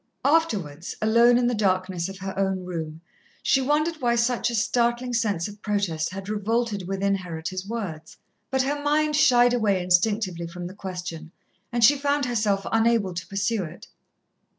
Afterwards, alone in the darkness of her own room, she wondered why such a startling sense of protest had revolted within her at his words, but her mind shied away instinctively from the question, and she found herself unable to pursue it.